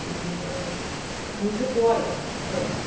水怖いだったので。